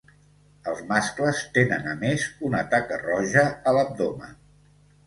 Els mascles tenen a més una taca roja a l'abdomen.